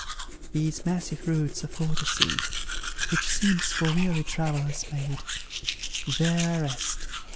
These massive roots afford a seat, Which seems for weary travellers made. There rest.